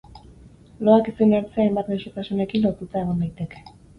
Loak ezin hartzea hainbat gaixotasunekin lotuta egon daiteke.